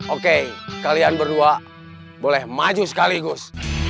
oke kalian berdua boleh maju sekaligus